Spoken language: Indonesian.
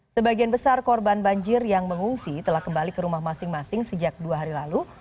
sebagian besar korban banjir yang mengungsi telah kembali ke rumah masing masing sejak dua hari lalu